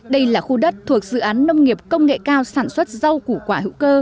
đây là khu đất thuộc dự án nông nghiệp công nghệ cao sản xuất rau củ quả hữu cơ